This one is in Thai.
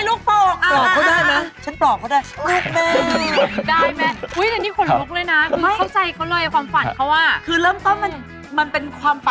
อย่างงี้อ่ะถามหน่อยดีกว่าว่า